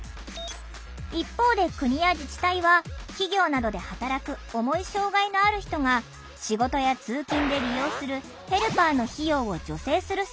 一方で国や自治体は企業などで働く重い障害のある人が仕事や通勤で利用するヘルパーの費用を助成する制度を２年前から始めた。